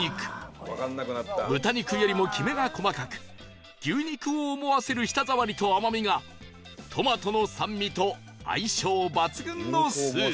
豚肉よりもきめが細かく牛肉を思わせる舌触りと甘みがトマトの酸味と相性抜群のスープ